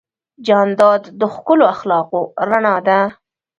جانداد د ښکلو اخلاقو رڼا ده.